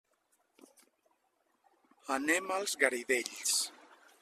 Anem als Garidells.